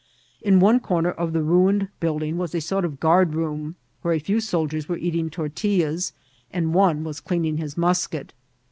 In one comer of the ruined building was a sort of guardroom, where a few soldiers were eating tortillas, and one was cleaning his musket.